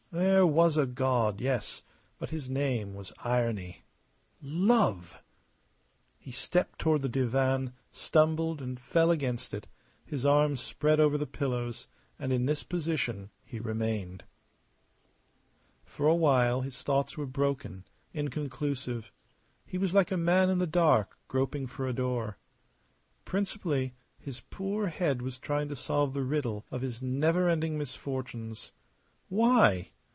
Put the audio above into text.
There was a God, yes, but his name was Irony. Love! He stepped toward the divan, stumbled, and fell against it, his arms spread over the pillows; and in this position he remained. For a while his thoughts were broken, inconclusive; he was like a man in the dark, groping for a door. Principally, his poor head was trying to solve the riddle of his never ending misfortunes. Why?